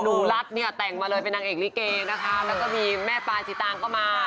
รัฐเนี่ยแต่งมาเลยเป็นนางเอกลิเกนะคะแล้วก็มีแม่ปายสีตางก็มา